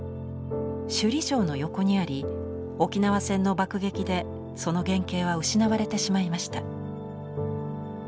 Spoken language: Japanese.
首里城の横にあり沖縄戦の爆撃でその原形は失われてしまいました。